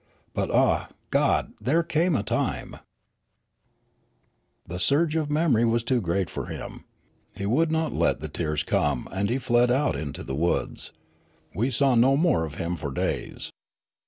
But ah, God! there came a time The surge of memory was too great for him. He would not let the tears come aud he fled out iuto the woods. We saw no more of him for days.